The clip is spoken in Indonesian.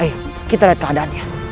ayo kita lihat keadaannya